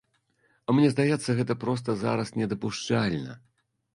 Мне здаецца, гэта проста зараз недапушчальна!